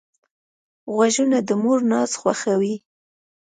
غوږونه د مور ناز خوښوي